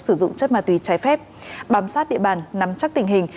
sử dụng chất ma túy trái phép bám sát địa bàn nắm chắc tình hình